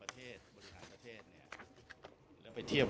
แต่ถ้าสมมุมกลุ่มส้มจะเป็นขาดเหตุผล